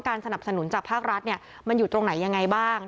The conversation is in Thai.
สนับสนุนจากภาครัฐมันอยู่ตรงไหนยังไงบ้าง